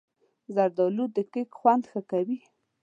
زردالو د کیک خوند ښه کوي.